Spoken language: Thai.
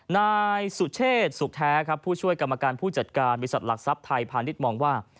นายสุเชษสุขแท้ครับผู้ช่วยกรรมการผู้จัดการบริษัทหลักทรัพย์ไทยพาณิชย์มองว่า